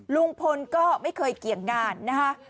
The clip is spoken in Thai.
ลุงพลก็ไม่เคยเกี่ยงงานนะคะ